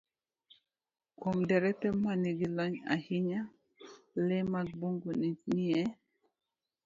Kuom derepe ma nigi lony ahinya, le mag bungu nie